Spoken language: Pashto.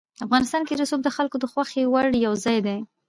افغانستان کې رسوب د خلکو د خوښې وړ یو ځای دی.